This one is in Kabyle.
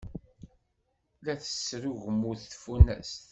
La tesrugmut tfunast.